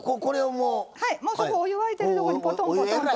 もうそこお湯沸いてるところにポトンポトンと。